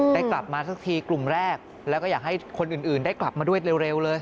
ได้กลับมาสักทีกลุ่มแรกแล้วก็อยากให้คนอื่นได้กลับมาด้วยเร็วเลย